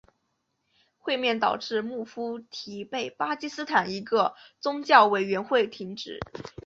会面导致穆夫提被巴基斯坦一个宗教委员会停职。